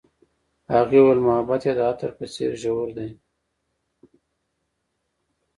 هغې وویل محبت یې د عطر په څېر ژور دی.